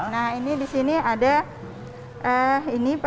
nah ini di sini ada ini